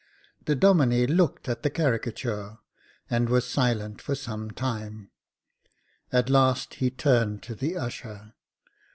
The Domine looked at the caricature, and was silent for some time. At last he turned to the usher.